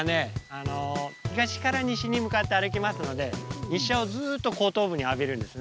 あの東から西に向かって歩きますので日射をずっと後頭部に浴びるんですね。